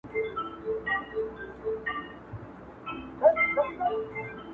بلکي د حافظې په ژورو کي نور هم خښېږي-